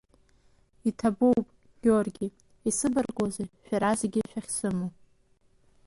Иҭабуп, Георги, исыбаргузеи шәара зегьы шәахьсымоу!